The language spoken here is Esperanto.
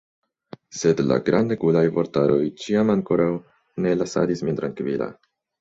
Sed la grandegulaj vortaroj ĉiam ankoraŭ ne lasadis min trankvila.